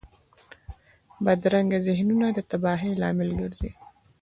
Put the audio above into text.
بدرنګه ذهنونه د تباهۍ لامل ګرځي